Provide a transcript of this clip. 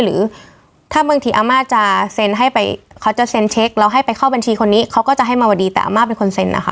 หรือถ้าบางทีอาม่าจะเซ็นให้ไปเขาจะเซ็นเช็คแล้วให้ไปเข้าบัญชีคนนี้เขาก็จะให้มาวดีแต่อาม่าเป็นคนเซ็นนะคะ